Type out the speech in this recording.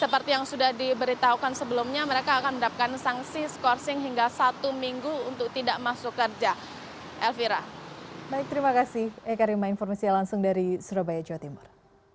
pemprof jawa timur